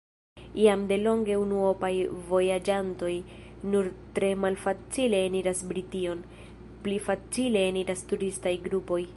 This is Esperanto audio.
Jam delonge unuopaj vojaĝantoj nur tre malfacile eniras Brition: pli facile eniras turistaj grupoj.